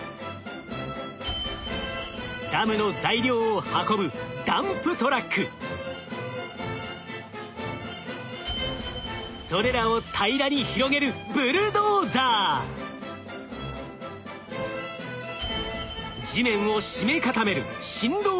ダムの材料を運ぶそれらを平らに広げる地面を締め固める